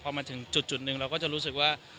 พอมันถึงจุดเราก็จะรู้สึกว่า